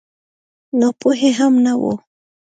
ناپوهي هم نه وه.